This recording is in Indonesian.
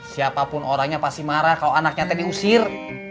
siapapun orangnya pasti marah kalau anaknya diusir